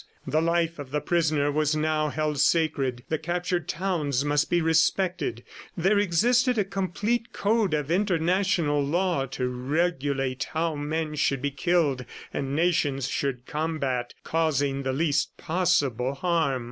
The life of the prisoner was now held sacred; the captured towns must be respected; there existed a complete code of international law to regulate how men should be killed and nations should combat, causing the least possible harm.